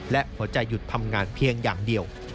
และหัวใจหยุดทำงานเพียงอย่างเดียว